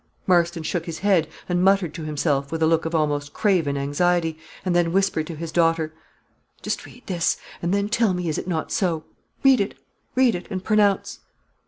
Marston shook his head, and muttered to himself, with a look of almost craven anxiety, and then whispered to his daughter "Just read this, and then tell me is it not so. Read it, read it, and pronounce."